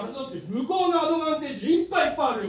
向こうのアドバンテージいっぱいいっぱいあるよ！